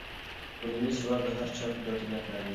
ټولنیز ځواک د هر چا په ګټه نه کارېږي.